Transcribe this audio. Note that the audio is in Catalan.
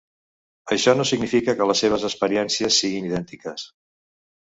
Això no significa que les seves experiències siguin idèntiques.